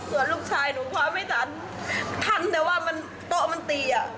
ส่วนลูกชายหนูคว้าไม่ทันทันแต่ว่ามันโต๊ะมันตีอ่ะ